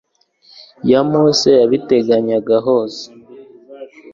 ya mose yabiteganyaga hose